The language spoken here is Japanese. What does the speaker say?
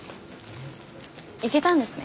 行けたんですね